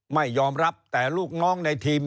ไม่ยอมรับแต่ลูกน้องในทีม